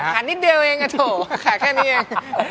นิดเดียวเองอะโถขาแค่นี้เอง